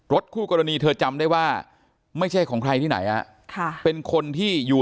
คู่กรณีเธอจำได้ว่าไม่ใช่ของใครที่ไหนเป็นคนที่อยู่